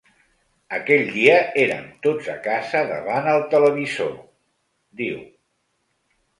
Aquell dia érem tots a casa davant el televisor, diu.